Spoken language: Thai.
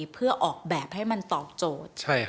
เพื่อออกแบบให้มันตอบโจทย์